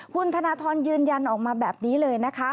คุณธนทรยืนยันออกมาแบบนี้เลยนะคะ